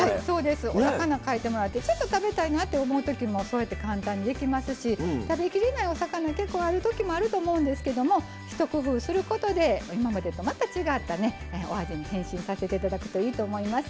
お魚を変えてもらってちょっと食べたいなと思うときも簡単にできますし食べきれないお魚結構、あるときもあると思うんですけど一工夫することでまた違ったお味に変身させていただくといいと思います。